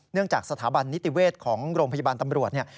จากสถาบันนิติเวชของโรงพยาบาลตำรวจเนี่ย